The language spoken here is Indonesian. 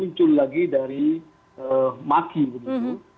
yang tentu saya sangat memahami soal pepahamu